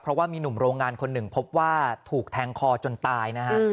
เพราะว่ามีหนุ่มโรงงานคนหนึ่งพบว่าถูกแทงคอจนตายนะฮะ